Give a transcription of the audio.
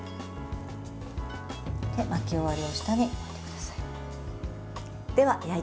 巻き終わりを下に置いてください。